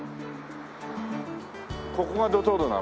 ここがドトールなの？